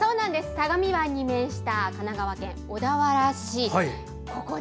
相模湾に面した神奈川県小田原市。